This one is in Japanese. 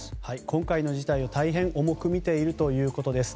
今回の事態を大変重く見ているということです。